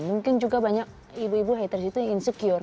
mungkin juga banyak ibu ibu haters itu yang insecure